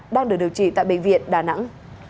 đang được điều trị tại bệnh viện đà nẵng